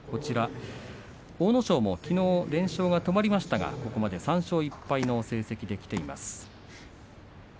阿武咲もきのう連勝が止まりましたがここまで３勝１敗の成績できています。